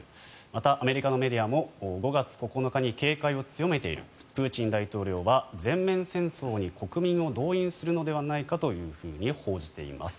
また、アメリカのメディアも５月９日に警戒を強めているプーチン大統領は全面戦争に国民を動員するのではないかというふうに報じています。